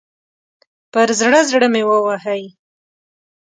پر زړه، زړه مې ووهئ